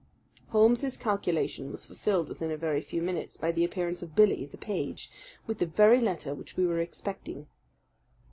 Holmes's calculation was fulfilled within a very few minutes by the appearance of Billy, the page, with the very letter which we were expecting.